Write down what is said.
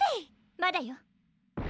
まだよ